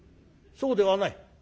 「そうではない。